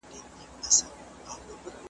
رپول یې له ناکامه وزرونه ,